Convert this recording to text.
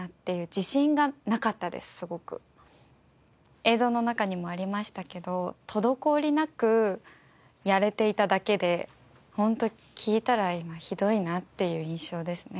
映像の中にもありましたけど滞りなくやれていただけで本当聞いたらひどいなっていう印象ですね。